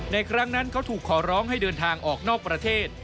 ครั้งนั้นเขาถูกขอร้องให้เดินทางออกนอกประเทศ